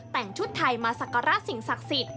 แต่งชุดไทยมาสักการะสิ่งศักดิ์สิทธิ